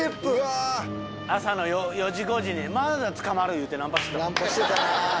朝の４時５時にまだつかまる言うてナンパしてた。